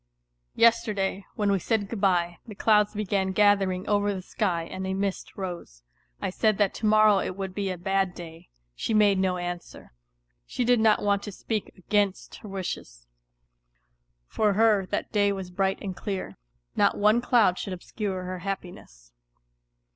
Yesterday, when we said good bye, the clouds began gathering over the ^ky and a mist rose. I said that to morrow it would be a bad day ; she made no answer, she did not want to speak against her wishes ; for her that day was bright and clear, not one cloud should obscure her happiness.